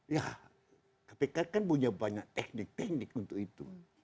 ya kpk kan punya banyak teknik teknik untuk itu